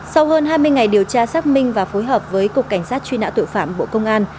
sau hơn hai mươi ngày điều tra xác minh và phối hợp với cục cảnh sát truy nã tội phạm bộ công an